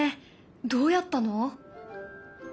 どうやったの？